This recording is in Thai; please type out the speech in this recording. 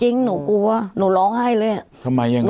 จริงหนูกลัวหนูร้องไห้เลยทำไมยังร้องไห้